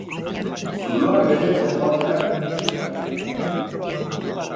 Zuloak betetzen joateak ez du balio jada.